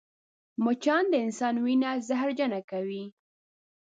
مچان د انسان وینه زهرجنه کوي